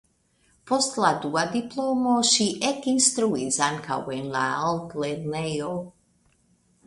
Post la dua diplomo ŝi ekinstruis ankaŭ en la altlernejo.